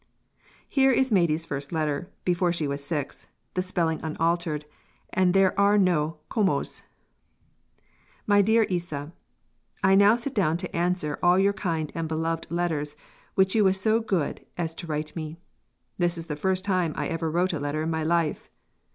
Here is Maidie's first letter, before she was six, the spelling unaltered, and there are no "commoes." "MY DEAR ISA I now sit down to answer all your kind and beloved letters which you was so good as to write to me. This is the first time I ever wrote a letter in my Life.